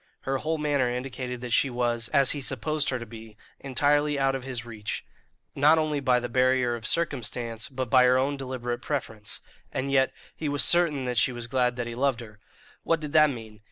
Her whole manner indicated that she was, as he supposed her to be, entirely out of his reach, not only by the barrier of circumstance, but by her own deliberate preference; and yet he was certain that she was glad that he loved her. What did that mean?